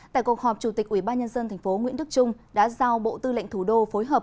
tại cuộc họp chủ tịch ubnd tp nguyễn đức trung đã giao bộ tư lệnh thủ đô phối hợp